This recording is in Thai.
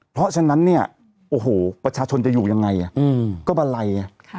เพราะฉะนั้นเนี่ยโอ้โหประชาชนจะอยู่ยังไงก็บะไล